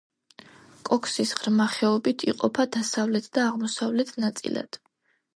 კოქსის ღრმა ხეობით იყოფა დასავლეთ და აღმოსავლეთ ნაწილად.